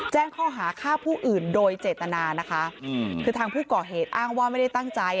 แจ้งข้อหาฆ่าผู้อื่นโดยเจตนานะคะคือทางผู้ก่อเหตุอ้างว่าไม่ได้ตั้งใจ